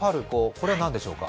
これは何でしょうか。